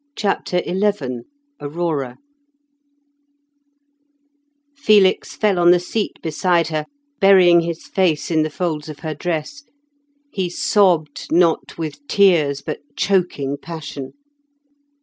CHAPTER XI AURORA Felix fell on the seat beside her, burying his face in the folds of her dress; he sobbed, not with tears, but choking passion.